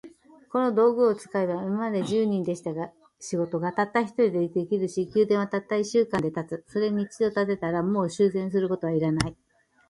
この道具を使えば、今まで十人でした仕事が、たった一人で出来上るし、宮殿はたった一週間で建つ。それに一度建てたら、もう修繕することが要らない。